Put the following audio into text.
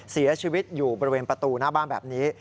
เสียชีวิตอยู่บริเวณประตูหน้าบ้านแบบนี้